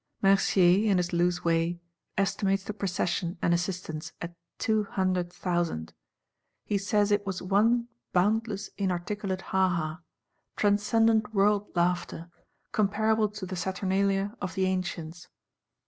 Mercier, in his loose way, estimates the Procession and assistants at two hundred thousand. He says it was one boundless inarticulate Haha;—transcendent World Laughter; comparable to the Saturnalia of the Ancients.